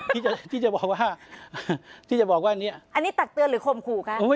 ที่จะที่จะบอกว่าที่จะบอกว่าเนี่ยอันนี้ตักเตือนหรือข่มขู่คะ